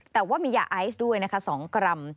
แต่ว่ามียาไอซ์ด้วยนะคะ๒กรัม